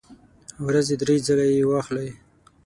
ورځې درې ځله یی واخلئ